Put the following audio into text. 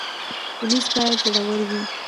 پولیس باید زړور وي